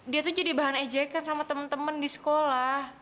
dia tuh jadi bahan ejekan sama teman teman di sekolah